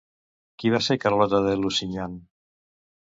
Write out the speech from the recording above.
Qui va ser Carlota de Lusignan?